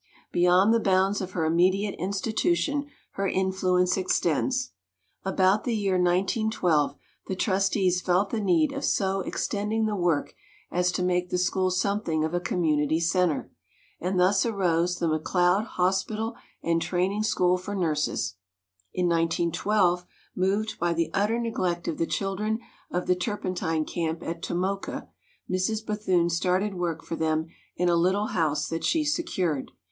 Beyond the bounds of her immediate institution her influence extends. About the year 1912 the trustees felt the need of so extending the work as to make the school something of a community center; and thus arose the Mc Leod Hospital and Training School for Nurses. In 1912, moved by the utter neg lect of the children of the turpentine camp at Tomoka, Mrs. Bethune started work for them in a little house that she secured.